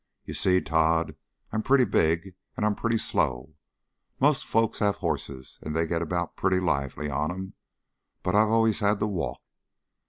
"You see, Tod, I'm pretty big and I'm pretty slow. Most folks have horses, and they get about pretty lively on 'em, but I've always had to walk."